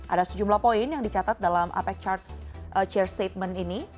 ada sejumlah poin yang dicatat dalam apec charge chair statement ini